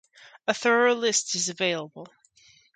A thorough list is available.